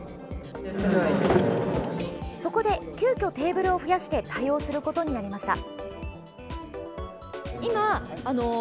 そこで急きょテーブルを増やして対応することになりました。